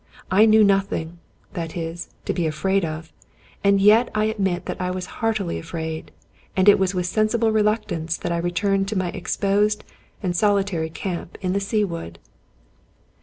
I knew nothing, that is, to be afraid of, and yet I admit that I was heartily afraid; and it was with sensible reluctance that I returned to my exposed and solitary camp in the Sea Wood.